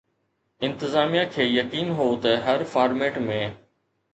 انتظاميا کي يقين هو ته هر فارميٽ ۾